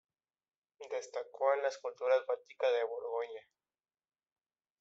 Destacó en la escultura gótica de Borgoña.